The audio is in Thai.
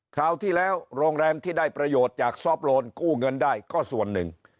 คราวที่แล้วโรงแรมที่ได้ประโยชน์จากซอฟต์โลนกู้เงินได้ก็ส่วนหนึ่ง